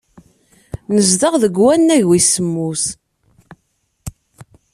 Nezdeɣ deg wannag wis semmus.